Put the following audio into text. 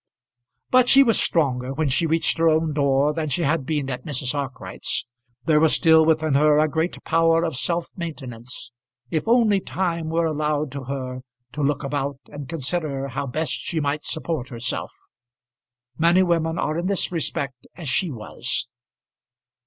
But she was stronger when she reached her own door than she had been at Mrs. Arkwright's. There was still within her a great power of self maintenance, if only time were allowed to her to look about and consider how best she might support herself. Many women are in this respect as she was.